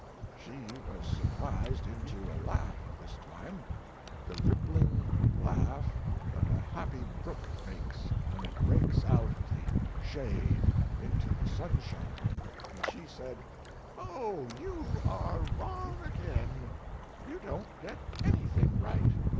She was surprised into a laugh this time, the rippling laugh that a happy brook makes when it breaks out of the shade into the sunshine, and she said: "Oh, you are wrong again; you don't get anything right.